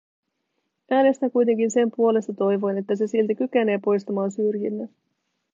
Äänestän kuitenkin sen puolesta toivoen, että se silti kykenee poistamaan syrjinnän.